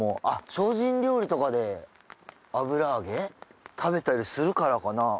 あっ精進料理とかで油揚げ食べたりするからかな？